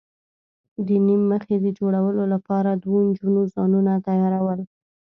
د نیم مخي د جوړولو لپاره دوو نجونو ځانونه تیاراول.